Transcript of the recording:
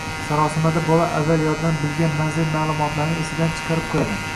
sarosimada bola avval yoddan bilgan manzil ma’lumotlarini esidan chiqarib qo‘yadi.